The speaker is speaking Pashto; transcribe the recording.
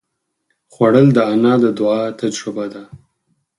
خوړل د انا د دعا تجربه ده